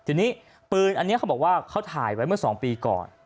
ทีนี้ปืนอันนี้เขาบอกว่าเขาถ่ายไว้เมื่อ๒ปีก่อน